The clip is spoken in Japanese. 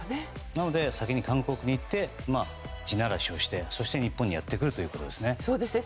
なので先に韓国に行って地ならしをしてそして日本にやってくるということですね。